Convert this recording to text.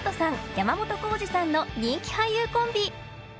山本耕史さんの人気俳優コンビ。